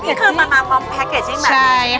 อ๋อนี่คือมาพร้อมแพ็กเกจที่หมายนี้